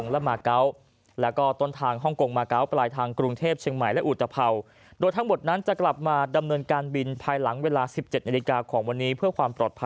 รวมทั้งหมด๑๒เที่ยวบินนะครับในวันที่๒ส